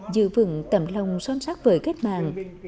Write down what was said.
giữ vững tầm lòng son sắc với kết mạng